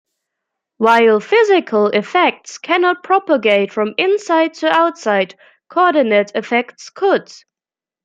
While physical effects cannot propagate from inside to outside, coordinate effects could.